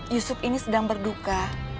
yusuf ini sedang berduka